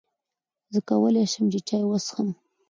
زۀ کولای شم چای وڅښم؟